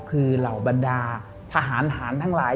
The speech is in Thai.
คือเหล่าบรรดาทหารหารทั้งหลาย